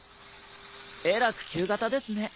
えらく旧型ですね。